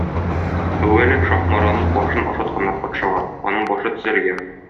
Әүвәле Шаһмараның башын ашатканнар патшага, аның башы төзәлгән.